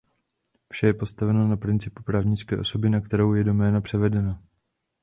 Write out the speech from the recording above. Vše je postaveno na principu právnické osoby na kterou je doména převedena.